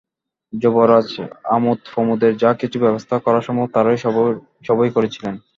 যুবরাজ আমোদপ্রমোদের যা কিছু ব্যবস্থা করা সম্ভব তার সবই করেছিলেন।